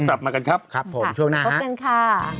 กลับมากันครับครับผมช่วงหน้าพบกันค่ะ